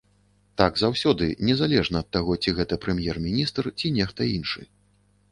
Так заўсёды, незалежна ад таго, ці гэта прэм'ер-міністр, ці нехта іншы.